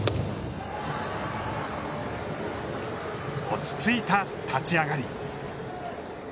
落ちついた立ち上がり。